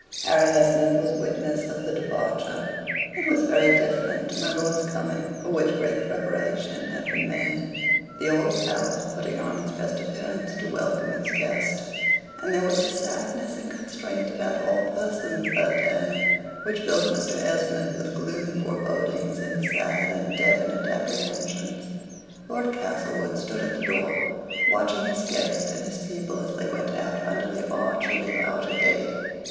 Harry Esmond was witness of the departure. It was very different to my lord's coming, for which great preparation had been made (the old house putting on its best appearance to welcome its guest), and there was a sadness and constraint about all persons that day, which filled Mr. Esmond with gloomy forebodings, and sad indefinite apprehensions. Lord Castlewood stood at the door watching his guest and his people as they went out under the arch of the outer gate.